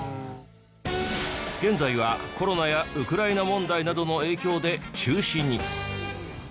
現在はコロナやウクライナ問題などの影響で中止に。